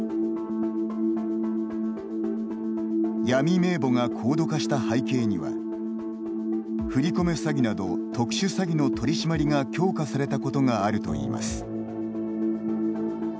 闇名簿が高度化した背景には振り込め詐欺など特殊詐偽の取り締まりが強化されたことがあるといいます。